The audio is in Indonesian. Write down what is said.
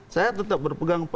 saya tetap berpegang